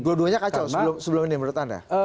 dua duanya kacau sebelum ini menurut anda